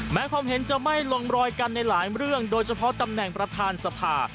ความเห็นจะไม่ลงรอยกันในหลายเรื่องโดยเฉพาะตำแหน่งประธานสภา